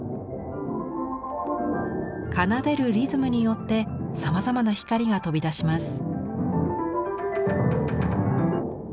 奏でるリズムによってさまざまな光が飛び出します。